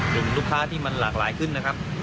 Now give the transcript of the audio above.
กลุ่มลูกค้าที่มันหลากหลายขึ้นนะครับ